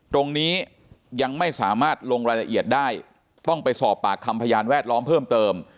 ตรงนี้ยังไม่สามารถลงรายละเอียดได้ต้องไปสอบปากคำพยานแวดล้อมเพิ่มเติม